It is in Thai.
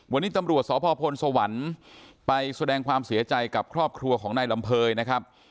วันนี้ตำรวจสพพลสวรรค์ไปแสดงความเสียใจกับครอบครัวของนายลำเภยนะครับ